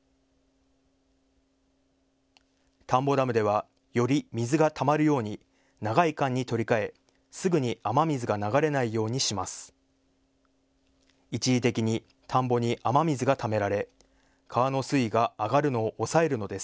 田んぼダムではより水がたまるように長い管に取り替え、すぐに雨水が流れないようにします。